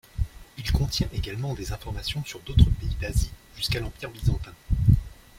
Il contient également des informations sur d'autres pays d'Asie jusqu'à l'empire byzantin.